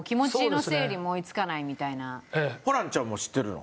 ホランちゃんも知ってるの？